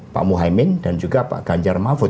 pak muhaymin dan juga pak ganjar mahfud